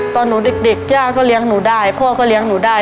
ตอนหนูเด็กย่าก็เลี้ยงหนูได้พ่อก็เลี้ยงหนูได้